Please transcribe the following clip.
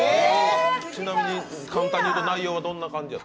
ちなみに簡単に言うと内容はどんな感じ？